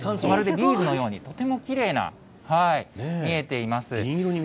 まるでビーズのように、とてもきれいな、見えています。